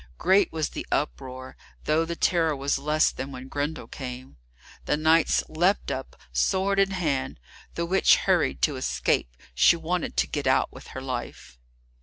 Great was the uproar, though the terror was less than when Grendel came. The knights leapt up, sword in hand; the witch hurried to escape, she wanted to get out with her life.